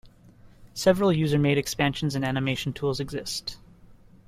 Several user-made expansions and animation tools exist.